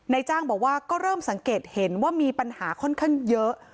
จ้างบอกว่าก็เริ่มสังเกตเห็นว่ามีปัญหาค่อนข้างเยอะ